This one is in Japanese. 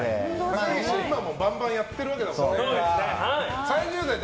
高岸は今もバンバンやってるわけだからね。